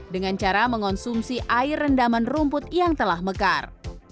dengan cara mengonsumsi air rendaman rumput yang telah mekar